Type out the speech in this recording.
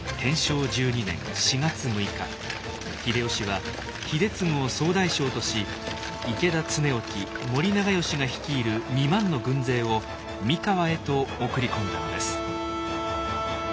秀吉は秀次を総大将とし池田恒興森長可が率いる２万の軍勢を三河へと送り込んだのです。